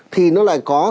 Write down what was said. thì nó lại có